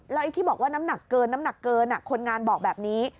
แล้วไอ้ที่บอกว่าน้ำหนักเกินคนงานบอกแบบนี้